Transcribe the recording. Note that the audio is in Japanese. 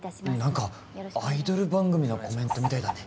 何かアイドル番組のコメントみたいだね